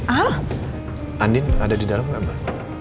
andin ada di dalam gak mbak